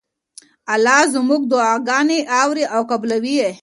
الله زموږ دعاګانې اوري او قبلوي یې.